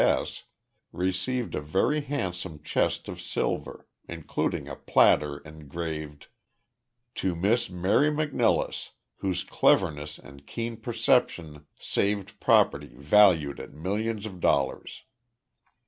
S. S. S., received a very handsome chest of silver, including a platter engraved, "To Miss Mary McNilless, whose cleverness and keen perception saved property valued at millions of dollars."